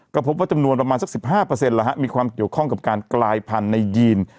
ก็พบว่าจำนวนประมาณสัก๑๕มีความเกี่ยวข้องกับการกลายพันธุ์ในยีน